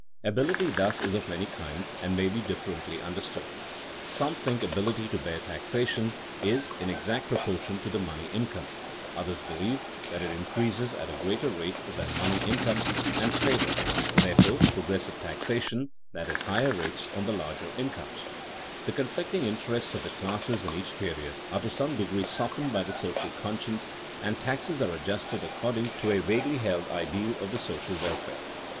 Ability thus is of many kinds and may be differently understood. Some think ability to bear taxation is "in exact proportion to the money income"; others believe that it increases at a greater rate than money income, and favor, therefore, progressive taxation, that is, higher rates on the larger incomes. [Sidenote: Social welfare as the aim] The conflicting interests of the classes in each period are to some degree softened by the social conscience, and taxes are adjusted according to a vaguely held ideal of the social welfare.